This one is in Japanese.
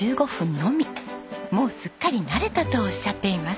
もうすっかり慣れたとおっしゃっています。